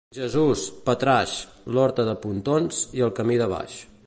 Jesús, Patraix, l'Horta de Pontons i el camí de baix.